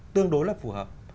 tương đối là phù hợp